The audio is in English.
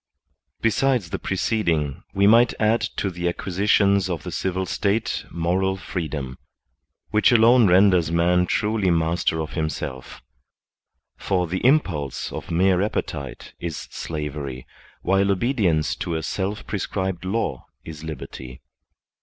Besides the preceding, we might add to the acquisitions of the civil state moral freedom, which alone renders man truly master of himself; for the impulse of mere appetite is slavery, while obedience to a self prescribed law is liberty.